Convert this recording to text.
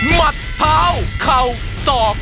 มัดเท้าเข่าศอก